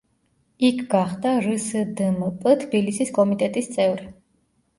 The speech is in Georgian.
იქ გახდა რსდმპ თბილისის კომიტეტის წევრი.